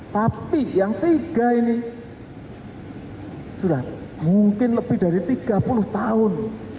tapi yang tiga ini sudah mungkin lebih dari tiga puluh tahun